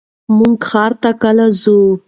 مونږ ښار ته کله ځو؟